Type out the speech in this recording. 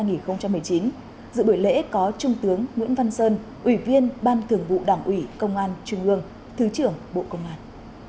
dự buổi lễ có trung tướng nguyễn văn sơn ủy viên ban thường vụ đảng ủy công an trung ương thứ trưởng bộ công an